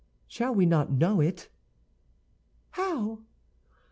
"Shall we not know it?" "How?"